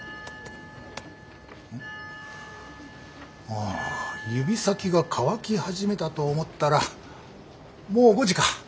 ああ指先が乾き始めたと思ったらもう５時か。